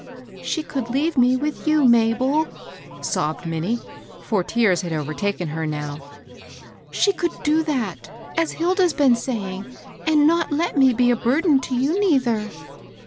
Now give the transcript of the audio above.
" She could leave me with you, Mabel," sobbed Minnie, — for tears had overtaken her now. " She could do that, as Hilda's been saying, and not let: me be a burden to you, neither."